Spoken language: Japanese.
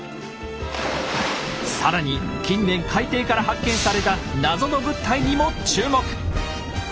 更に近年海底から発見された謎の物体にも注目！